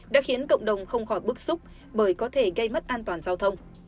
đã khiến cộng đồng không khỏi bức xúc bởi có thể gây mất an toàn giao thông